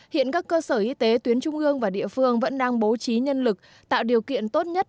hiện các cơ sở y tế tuyến trung ương và địa phương vẫn đang bố trí nhân lực tạo điều kiện tốt nhất